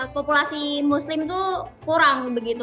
populasi muslim itu kurang begitu